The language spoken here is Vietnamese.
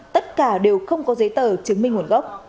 tất cả đều không có giấy tờ chứng minh nguồn gốc